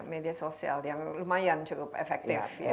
media sosial yang lumayan cukup efektif